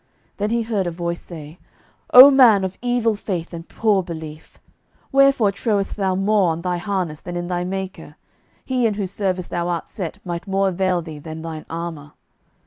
Then heard he a voice say, "Oh, man of evil faith and poor belief, wherefore trowest thou more on thy harness than in thy Maker? He in whose service thou art set might more avail thee than thine armour."